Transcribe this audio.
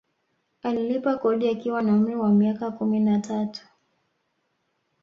Alilipa kodi akiwa na umri wa miaka kumi na tatu